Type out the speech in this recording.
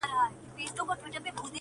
په افسانو کي به یادیږي ونه--!